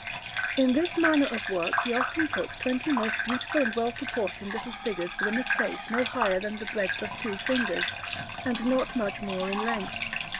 In this manner of work he often put twenty most beautiful and well proportioned little figures within a space no higher than the breadth of two fingers and not much more in length.